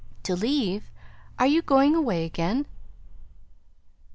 "To leave are you going away again?"